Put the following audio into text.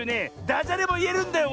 ダジャレもいえるんだよ